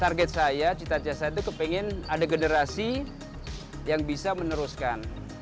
target saya cita cita saya itu kepengen ada generasi yang bisa meneruskan